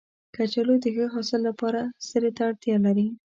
کچالو د ښه حاصل لپاره سرې ته اړتیا لري